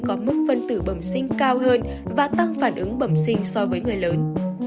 có mức phân tử bẩm sinh cao hơn và tăng phản ứng bẩm sinh so với người lớn